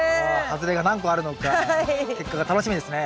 外れが何個あるのか結果が楽しみですね。